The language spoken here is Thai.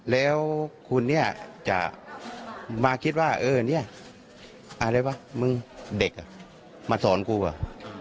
แล้วคุณเนี่ยจะมาคิดว่าเออเนี่ยอะไรวะมึงเด็กอ่ะมาสอนกูว่ะ